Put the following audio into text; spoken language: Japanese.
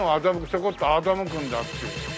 ちょこっと欺くんだっていう。